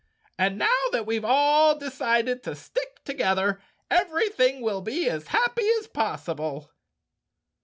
"And now that we've all decided to stick together everything will be as happy as possible."